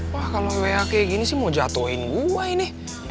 wah kalau wa kayak gini sih mau jatuhin gue ini